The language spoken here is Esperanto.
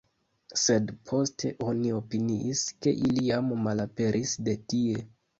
Sed poste oni opiniis ke ili jam malaperis de tie.